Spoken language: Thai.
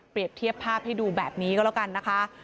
เทียบภาพให้ดูแบบนี้ก็แล้วกันนะคะ